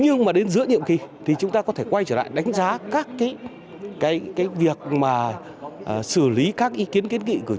nhưng mà đến giữa nhiệm kỳ thì chúng ta có thể quay trở lại đánh giá các cái việc mà xử lý các ý kiến kiến nghị của chúng ta